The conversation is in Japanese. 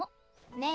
ねえ。